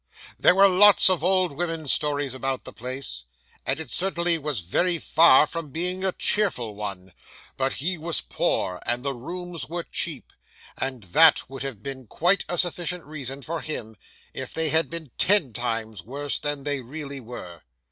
There were lots of old women's stories about the place, and it certainly was very far from being a cheerful one; but he was poor, and the rooms were cheap, and that would have been quite a sufficient reason for him, if they had been ten times worse than they really were.